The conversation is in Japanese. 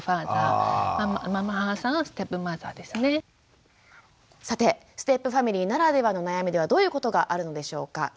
英語で言うとさてステップファミリーならではの悩みではどういうことがあるのでしょうか。